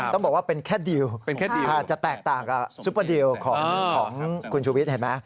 คุณบอกว่าเป็นแค่ดีลจะแตกต่างกับซุปเปอร์ดีลของคุณชูวิทธิ์เห็นไหม